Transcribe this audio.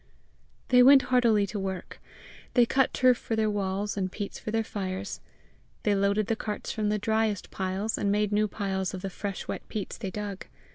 They went heartily to work. They cut turf for their walls and peats for their fires; they loaded the carts from the driest piles, and made new piles of the fresh wet peats they dug.